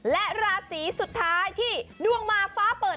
และราศีสุดท้ายที่ดวงมาฟ้าเปิด